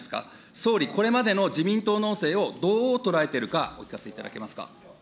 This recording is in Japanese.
総理、これまでの自民党農政をどう捉えているかお聞かせいただけますか。